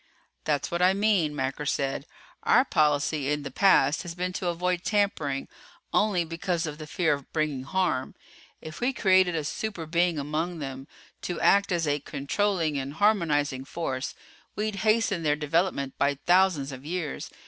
"That's what I mean," Macker said. "Our policy in the past has been to avoid tampering, only because of the fear of bringing harm. If we created a super being among them, to act as a controlling and harmonizing force, we'd hasten their development by thousands of years.